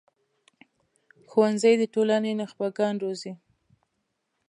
ښوونځی د ټولنې نخبه ګان روزي